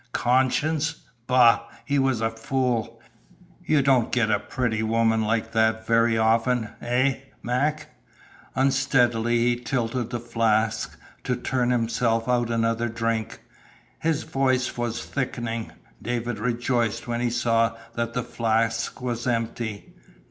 Conscience? Bah! He was a fool. You don't get a pretty woman like that very often, eh, Mac?" Unsteadily he tilted the flask to turn himself out another drink. His voice was thickening. David rejoiced when he saw that the flask was empty.